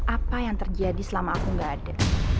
apa yang terjadi selama aku gak ada